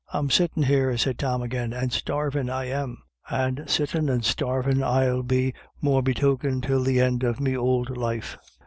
" I'm sittin' here," said Tom again, " and starvin' I am ; and sittin' and starvin' I'll be morebetoken till the end of me ould life.